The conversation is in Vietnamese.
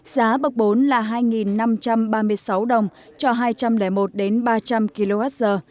giá bậc bốn là hai năm trăm ba mươi sáu đồng cho hai trăm linh một đến ba trăm linh kwh